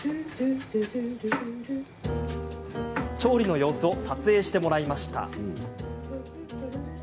調理の様子を撮影してもらいました。